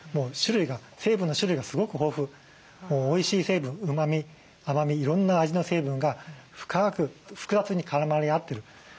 成分の種類がすごく豊富おいしい成分うまみ甘みいろんな味の成分が深く複雑に絡まり合ってる。